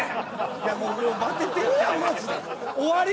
いやもうバテてるやんマジで終わり